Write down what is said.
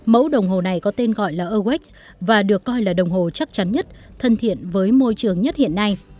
mẫu đồng hồ này có tên gọi là awacs và được coi là đồng hồ chắc chắn nhất thân thiện với môi trường nhất hiện nay